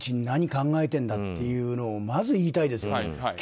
何考えてんだってまず言いたいですよ。